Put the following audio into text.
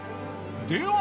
では